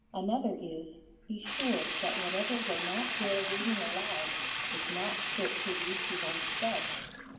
Another is, be sure that whatever will not bear reading aloud is not fit to read to one's self.